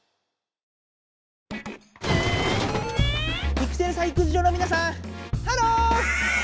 ピクセル採掘場のみなさんハロー！